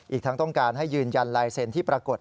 อีกทั้งต้องการให้ยืนยันลายเซ็นต์ที่ปรากฏ